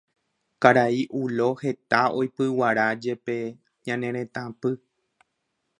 Karai Ulo heta oipyguarajepe ñane retãpy